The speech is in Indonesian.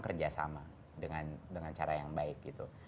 kerjasama dengan cara yang baik gitu